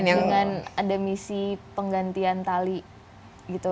dengan ada misi penggantian tali gitu